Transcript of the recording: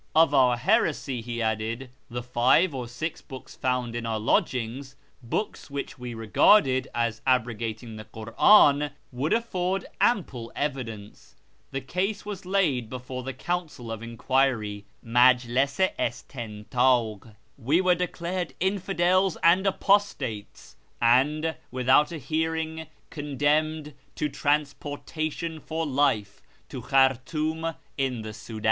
Of our heresy, he added, the five or six books found in our lodgings (books which we regarded as abrogating the Kur'an) would afford ample evidence. The case was laid [before the Council of Enquiry (Majlis i istintdk). We were declared infidels and apostates, and, without a hearing, con demned to transportation for life to Khartoum in the Soudan.